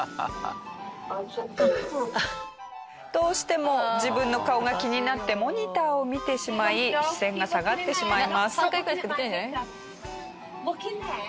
どうしても自分の顔が気になってモニターを見てしまい視線が下がってしまいます。